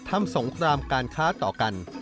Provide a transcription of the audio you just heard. สงครามการค้าต่อกัน